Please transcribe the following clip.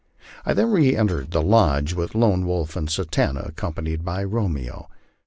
I then reentered the lodge with Lone Wolf and Satanta, accompanied by Romeo.